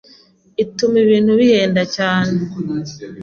ituma ibintu bihenda cyane